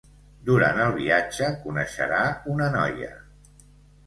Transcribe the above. Durant el viatge, coneixerà una noia.